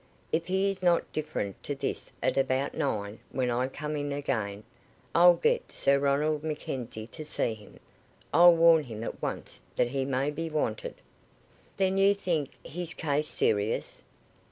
"If he is not different to this at about nine, when I come in again, I'll get Sir Ronald Mackenzie to see him. I'll warn him at once that he may be wanted." "Then you think his case serious?"